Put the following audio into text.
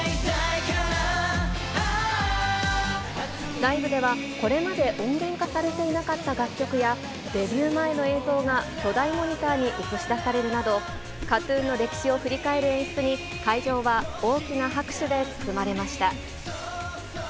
ライブでは、これまで音源化されていなかった楽曲や、デビュー前の映像が巨大モニターに映し出されるなど、ＫＡＴーＴＵＮの歴史を振り返る演出に、会場は大きな拍手で包まれました。